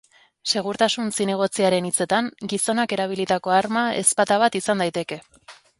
Segurtasun zinegotziaren hitzetan, gizonak erabilitako arma ezpata bat izan daiteke.